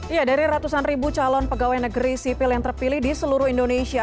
ya dari ratusan ribu calon pegawai negeri sipil yang terpilih di seluruh indonesia